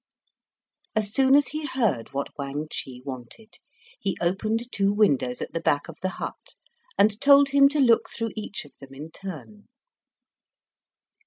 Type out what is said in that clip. As soon as he heard what Wang Chih wanted, he opened two windows at the back of the hut, and told him to look through each of them in turn.